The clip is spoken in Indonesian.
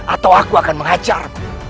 atau aku akan mengacarmu